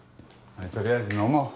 はいとりあえず飲もう。